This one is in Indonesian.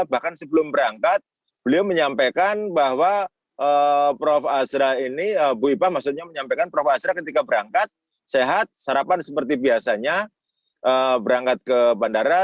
bahkan sebelum berangkat beliau menyampaikan bahwa prof asra ini bu ipa maksudnya menyampaikan prof azra ketika berangkat sehat sarapan seperti biasanya berangkat ke bandara